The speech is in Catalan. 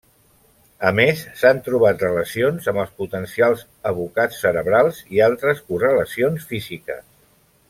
A més, s’han trobat relacions amb els potencials evocats cerebrals i altres correlacions físiques.